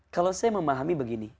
kalau saya memahami begini